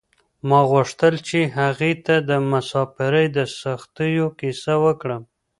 ما غوښتل چې هغې ته د مساپرۍ د سختیو کیسه وکړم.